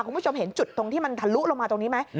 คุณผู้ชมเห็นจุดตรงที่มันทะลุลงมาตรงนี้ไหม